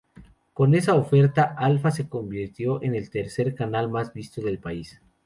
Con esa oferta, Alpha se convirtió en el tercer canal más visto del país.